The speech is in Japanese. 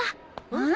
うん？